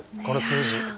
この数字。